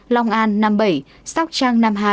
long an năm mươi bảy sóc trăng năm mươi hai